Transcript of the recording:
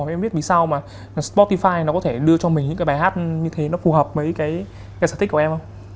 em có tò mò em biết vì sao mà spotify nó có thể đưa cho mình những cái bài hát như thế nó phù hợp với cái sở thích của em không